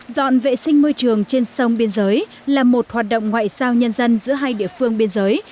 dọn vệ sinh môi trường trên sông biên giới là một hoạt động ngoại sao nhân dân giữa hai địa phương biên giới